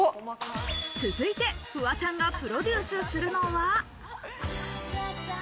続いて、フワちゃんがプロデュースするのは。